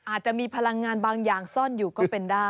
อาจจะมีพลังงานบางอย่างซ่อนอยู่ก็เป็นได้